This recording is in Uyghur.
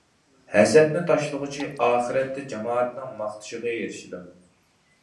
ھەسەتنى تاشلىغۇچى ئاخىرەتتە جامائەتنىڭ ماختىشىغا ئېرىشىدۇ.